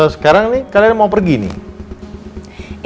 sekarang nih kalian mau pergi nih